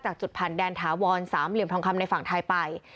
จากจุดผ่านแดนถาวรสามเหลี่ยมทองคำในฝั่งไทยไป